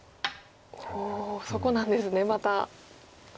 おおそこなんですねまた。